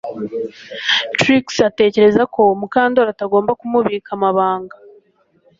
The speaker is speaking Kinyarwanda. Trix atekereza ko Mukandoli atagomba kumubika amabanga